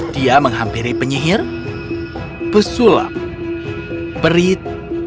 dia menghampiri penyihir pesulap perit